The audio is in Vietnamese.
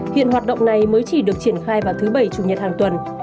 hiện hoạt động này mới chỉ được triển khai vào thứ bảy chủ nhật hàng tuần